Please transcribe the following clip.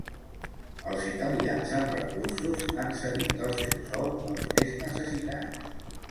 Els italians amb recursos han cedit el seu sou als més necessitats.